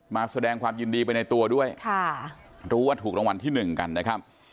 มาแสดงความยินดีไปในตัวด้วยค่ะรู้ว่าถูกรางวัลที่หนึ่งกันนะครับ